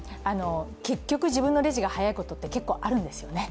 結局、自分のレジが早いことって結構あるんですよね。